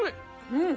うん！